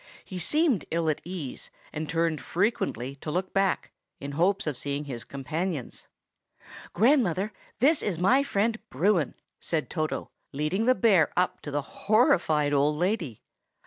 He seemed ill at ease, and turned frequently to look back, in hopes of seeing his companions. "Grandmother, this is my friend Bruin!" said Toto, leading the bear up to the horrified old lady.